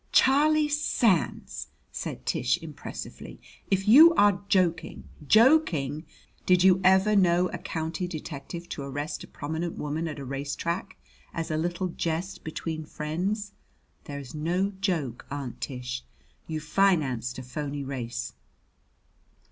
"Charlie Sands!" said Tish impressively. "If you are joking " "Joking! Did you ever know a county detective to arrest a prominent woman at a race track as a little jest between friends? There's no joke, Aunt Tish. You've financed a phony race.